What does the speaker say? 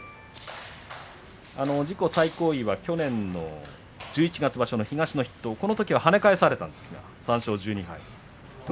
自己最高位は去年の十一月場所は東の筆頭このときははね返されたんですが３勝１２敗。